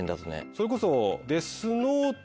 それこそ。